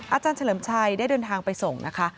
อาจารย์เฉลิมชัยได้เดินทางไปส่งนะคะ